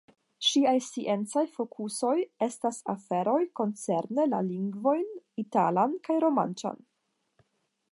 Ŝiaj sciencaj fokusoj estas aferoj koncerne la lingvojn italan kaj romanĉan.